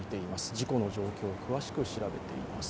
事故の状況を詳しく調べています。